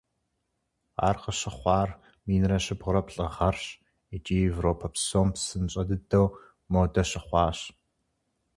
Ар къыщыхъуар минрэ щибгъурэ плӏы гъэрщ икӀи Европэ псом псынщӀэ дыдэу модэ щыхъуащ.